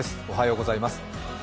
おはようございます。